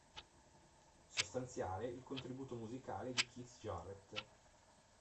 Sostanziale il contributo musicale di Keith Jarrett.